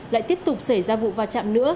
lại tiếp tục xảy ra vụ va chạm nữa